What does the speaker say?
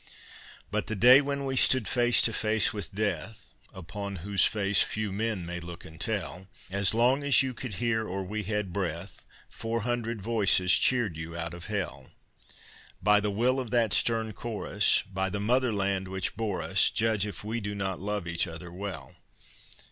But the day when we stood face to face with death (Upon whose face few men may look and tell), As long as you could hear, or we had breath, Four hundred voices cheered you out of hell! By the will of that stern chorus, By the motherland which bore us, Judge if we do not love each other well.